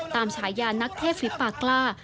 ตามฉายานนักเทพฤทธิ์ปากลา